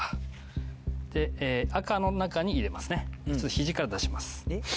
肘から出します。